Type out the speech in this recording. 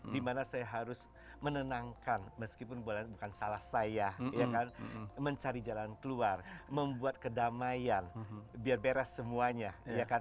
di mana saya harus menenangkan meskipun bukan salah saya mencari jalan keluar membuat kedamaian biar beres semuanya iya kan